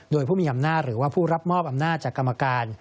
โดยผู้มีอำนาจหรือว่าผู้รับมอบอำนาจจากกรรมการ